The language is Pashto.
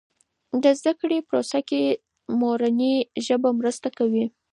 د زده کړې په پروسه کې مورنۍ ژبه مرسته کوي.